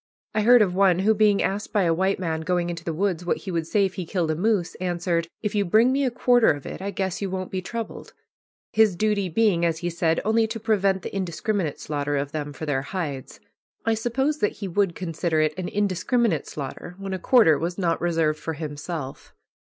I heard of one who, being asked by a white man going into the woods what he would say if he killed a moose, answered, "If you bring me a quarter of it I guess you won't be troubled." His duty being, as he said, only to prevent the "indiscriminate" slaughter of them for their hides. I suppose that he would consider it an indiscriminate slaughter when a quarter was not reserved for himself.